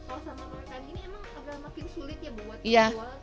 oh sama mereka gini emang agak makin sulit ya buat jual